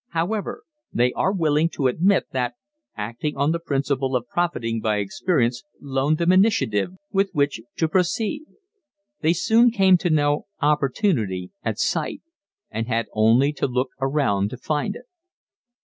However, they are willing to admit that acting on the principle of profiting by experience loaned them initiative with which to proceed. They soon came to know opportunity at sight and had only to look around to find it.